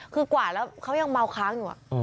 คือก่อนละเขายังเมาค้างอยู่ว่ะ